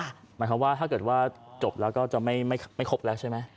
หมายความว่าถ้าเกิดว่าจบแล้วก็จะไม่ครบแล้วใช่ไหม